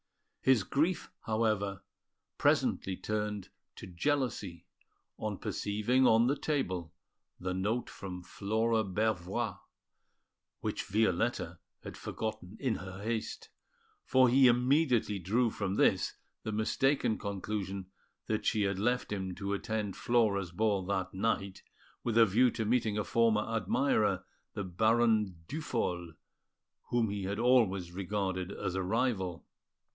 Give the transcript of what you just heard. His grief, however, presently turned to jealousy, on perceiving on the table the note from Flora Bervoix, which Violetta had forgotten in her haste, for he immediately drew from this the mistaken conclusion that she had left him to attend Flora's ball that night, with a view to meeting a former admirer, the Baron Duphol, whom he had always regarded as a rival.